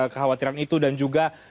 kekhawatiran itu dan juga